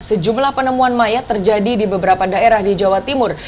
sejumlah penemuan mayat terjadi di beberapa daerah di jawa timur